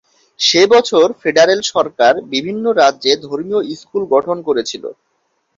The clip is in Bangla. সে বছর ফেডারেল সরকার বিভিন্ন রাজ্যে ধর্মীয় স্কুল গঠন করেছিল।